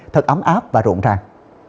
thật ấm áp và rộn ràng